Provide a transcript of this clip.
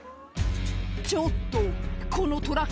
ちょっとこのトラック